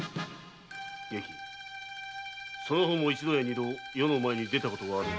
外記その方も一度や二度余の前に出たことがあろう。